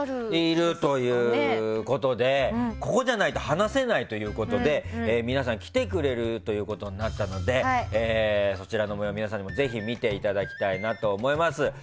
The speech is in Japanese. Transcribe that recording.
いるということでここじゃないと話せないということで皆さん、来てくれるということになったのでそちらの模様、皆さんにぜひ見ていただきたいと思います。